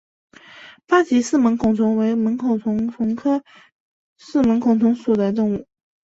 八棘四门孔虫为门孔虫科四门孔虫属的动物。